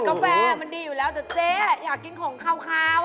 กาแฟมันดีอยู่แล้วแต่เจ๊อยากกินของขาว